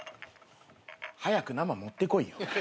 早く生持ってこいよ。